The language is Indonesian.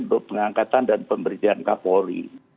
untuk pengangkatan dan pemberjaan kapolri